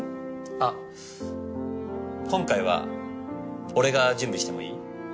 あっ今回は俺が準備してもいい？